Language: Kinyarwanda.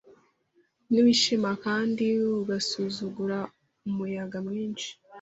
Ntiwishima kandi ugasuzugura umuyaga mwinshi